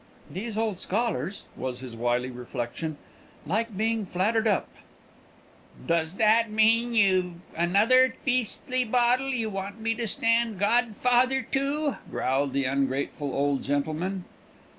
("These old scholars," was his wily reflection, "like being flattered up.") "Does that mean you've another beastly bottle you want me to stand godfather to?" growled the ungrateful old gentleman.